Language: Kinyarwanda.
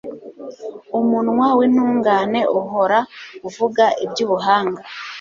umunwa w'intungane uhora uvuga iby'ubuhanga